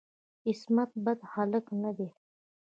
عصمت بد هلک نه دی.